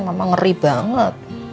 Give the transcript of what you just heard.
mama ngeri banget